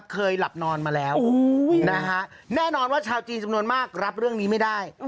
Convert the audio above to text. เคยหลับนอนมาแล้วนะฮะแน่นอนว่าชาวจีนจำนวนมากรับเรื่องนี้ไม่ได้